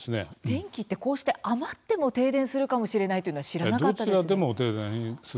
電気ってこうして余っても停電するかもしれないというのは知らなかったです。